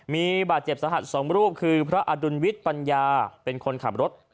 มีบาดเจ็บสาหัส๒รูปคือพระอดุลวิทย์ปัญญาเป็นคนขับรถ